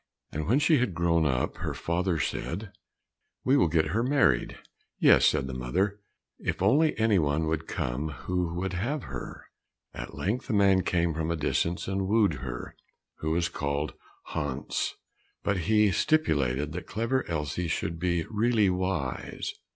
And when she had grown up her father said, "We will get her married." "Yes," said the mother; "if only any one would come who would have her." At length a man came from a distance and wooed her, who was called Hans; but he stipulated that Clever Elsie should be really wise.